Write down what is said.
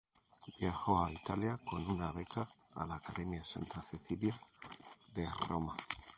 Viajó a Italia con una beca a la academia Santa Cecilia, de Roma.